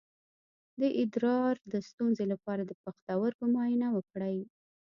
د ادرار د ستونزې لپاره د پښتورګو معاینه وکړئ